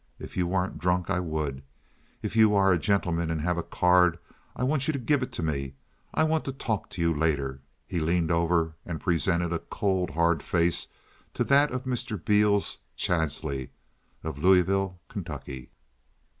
If you weren't drunk I would. If you are a gentleman and have a card I want you to give it to me. I want to talk to you later." He leaned over and presented a cold, hard face to that of Mr. Beales Chadsey, of Louisville, Kentucky.